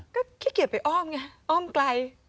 แค่เกลียดไปอ้อมไงอ้อมไกล